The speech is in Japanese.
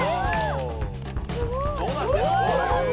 どうなってんの？